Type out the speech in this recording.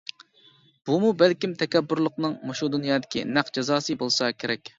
بۇمۇ بەلكىم تەكەببۇرلۇقنىڭ مۇشۇ دۇنيادىكى نەق جازاسى بولسا كېرەك.